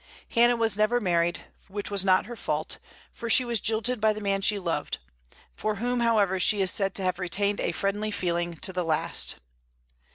Hannah was never married, which was not her fault, for she was jilted by the man she loved, for whom, however, she is said to have retained a friendly feeling to the last.